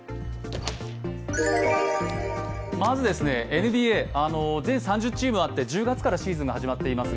まず、ＮＢＡ全３０チームあって１０月からシーズンが始まっています。